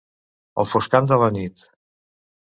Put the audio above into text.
Al foscant de la nit.